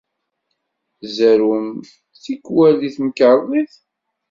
Tzerrwem, tikkal, deg temkarḍit?